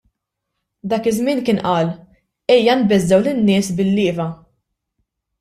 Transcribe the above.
Dak iż-żmien kien qal: Ejja nbeżżgħu lin-nies bil-lieva.